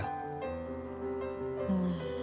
うん。